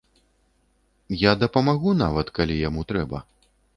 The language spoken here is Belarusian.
Я дапамагу нават, калі яму трэба.